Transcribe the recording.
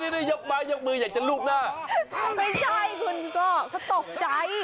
ดูหน้าน้องเขาหน่อย